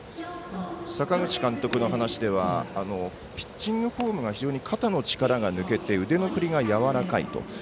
阪口監督の話ではピッチングフォームが非常に肩の力が抜けて腕の振りがやわらかいと。